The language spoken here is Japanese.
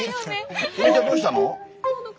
日和ちゃんどうしたの？